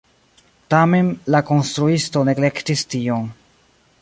Tamen la konstruisto neglektis tion.